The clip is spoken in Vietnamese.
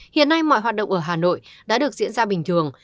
hiện nay mọi hoạt động ở hà nội đã được diễn ra bình thường